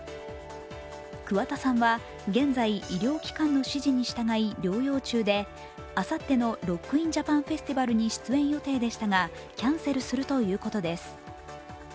桑田さんは現在、医療機関の指示に従い療養中であさってのＲＯＣＫＩＮＪＡＰＡＮＦＥＳＴＩＶＡＬに出演予定でしたがキャンセルするということです。